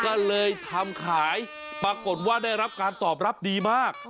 ก็เลยทำขายปรากฏว่าได้รับการตอบรับดีมาก